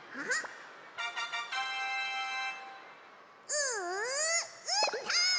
ううーたん！